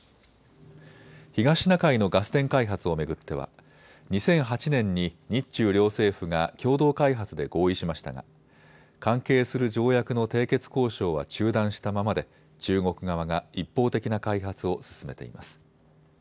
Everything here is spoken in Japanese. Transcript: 東シナ海のガス田開発を巡っては２００８年に日中両政府が共同開発で合意しましたが関係する条約の締結交渉は中断したままで中国側が一方的な開発を進めています。